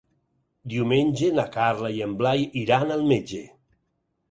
Diumenge na Carla i en Blai iran al metge.